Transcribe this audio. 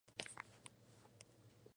A finales de año, El Dorado Wrestling cerró.